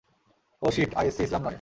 ও shit ISC ইসলাম নয়।